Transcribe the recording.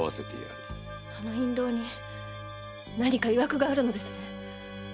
あの印籠に何か曰くがあるのですね。